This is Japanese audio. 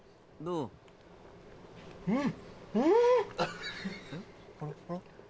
うん！